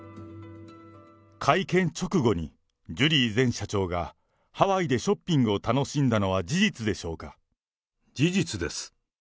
会見直後に、ジュリー前社長がハワイでショッピングを楽しんだのは事実でしょ事実です。